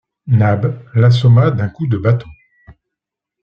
Nab l’assomma d’un coup de bâton.